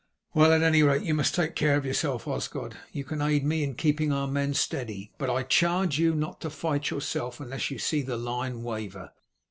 "Well, at any rate you must take care of yourself, Osgod. You can aid me in keeping our men steady, but I charge you not to fight yourself unless you see the line waver.